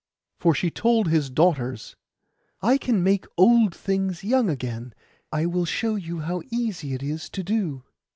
For she told his daughters, 'I can make old things young again; I will show you how easy it is to do.